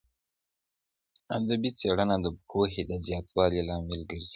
ادبي څېړنه د پوهې د زیاتوالي لامل ګرځي.